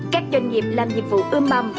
các doanh nghiệp làm nhiệm vụ ưm mầm